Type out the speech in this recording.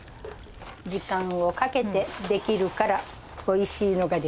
時間をかけて出来るからおいしいのが出来る。